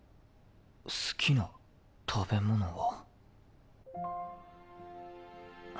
好きな食べ物は。